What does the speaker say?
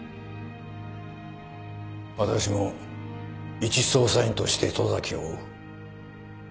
私も一捜査員として十崎を追う。